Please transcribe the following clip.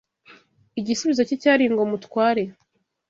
Igisubizo cye cyari ngo Mutware